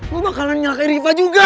gue bakalan nyatai riva juga